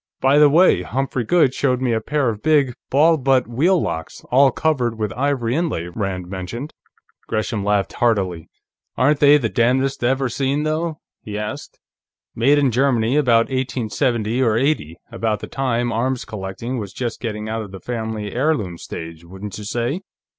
"By the way, Humphrey Goode showed me a pair of big ball butt wheel locks, all covered with ivory inlay," Rand mentioned. Gresham laughed heartily. "Aren't they the damnedest ever seen, though?" he asked. "Made in Germany, about 1870 or '80, about the time arms collecting was just getting out of the family heirloom stage, wouldn't you say?"